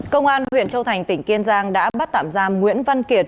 công an huyện châu thành tỉnh kiên giang đã bắt tạm giam nguyễn văn kiệt